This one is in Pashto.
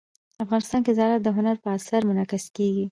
افغانستان کې زراعت د هنر په اثار کې منعکس کېږي.